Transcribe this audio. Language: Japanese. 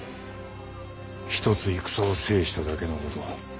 一つ戦を制しただけのこと。